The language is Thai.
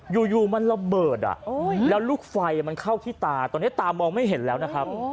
อยู่มันระเบิดแล้วลูกไฟมันเข้าที่ตาตอนนี้ตามองไม่เห็นแล้วนะครับ